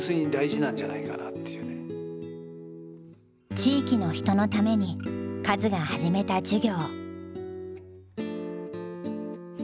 地域の人のためにカズが始めた授業。